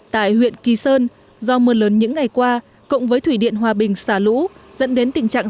tại huyện kỳ sơn do mưa lớn những ngày qua cộng với thủy điện hòa bình xả lũ dẫn đến tình trạng